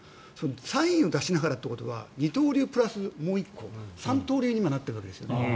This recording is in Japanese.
サインを出しながらということは二刀流プラスもう１個三刀流に今なっているわけです。